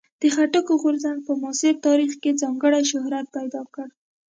د خټکو غورځنګ په معاصر تاریخ کې ځانګړی شهرت پیدا کړ.